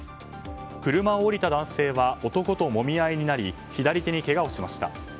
車を降りた男性は男ともみ合いになり左手にけがをしました。